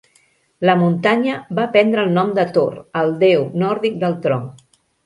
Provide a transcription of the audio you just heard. La muntanya va prendre el nom de Thor, el déu nòrdic del tro.